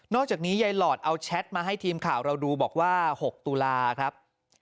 จากนี้ยายหลอดเอาแชทมาให้ทีมข่าวเราดูบอกว่า๖ตุลาครับ